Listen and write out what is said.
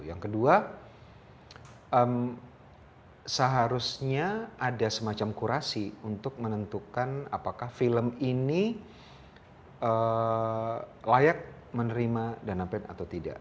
yang kedua seharusnya ada semacam kurasi untuk menentukan apakah film ini layak menerima dana pen atau tidak